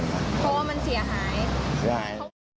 เพราะว่ามันเสียหาย